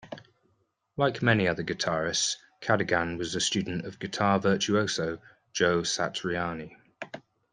Like many other guitarists, Cadogan was a student of guitar virtuoso Joe Satriani.